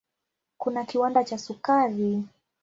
Kuna kiwanda cha sukari.